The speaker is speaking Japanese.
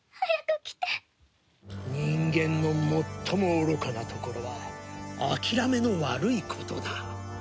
人間の最も愚かなところは諦めの悪いことだ。